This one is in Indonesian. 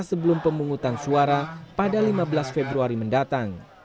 sebelum pemungutan suara pada lima belas februari mendatang